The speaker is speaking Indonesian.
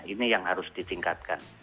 ini yang harus ditingkatkan